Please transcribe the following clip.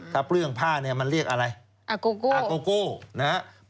ถ้าเปลื้องผ้าเนี่ยมันเรียกอะไรอะโกโกอะโกโกนะฮะ